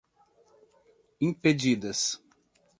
impedidas